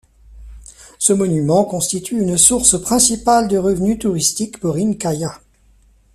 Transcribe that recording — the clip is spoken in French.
Ce monument constitue une source principale de revenus touristiques pour İnkaya.